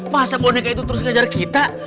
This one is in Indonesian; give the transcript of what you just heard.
masa boneka itu terus ngejar kita